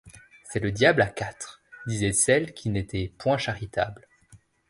C’est le diable à quatre, disaient celles qui n’étaient point charitables.